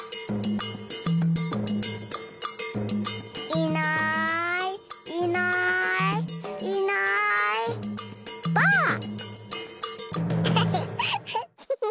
いないいないいないばあっ！